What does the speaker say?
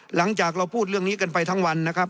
หลังจากเราพูดเรื่องนี้กันไปทั้งวันนะครับ